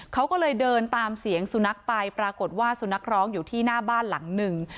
เขาก็เลยเดินตามเสียงสุนัขไปปรากฏว่าสุนัขร้องอยู่ที่หน้าบ้านหลังหนึ่ง